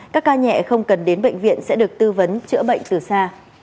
các ca nhẹ không cần đến bệnh viện sẽ được tư vấn chữa bệnh từ xa